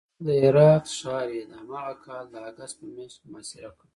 د هرات ښار یې د هماغه کال د اګست په میاشت کې محاصره کړ.